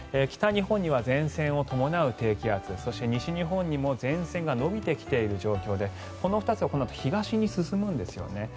北日本には前線を伴う低気圧そして、西日本にも前線が延びてきている状況でこの２つがこのあと東に進むんですよね。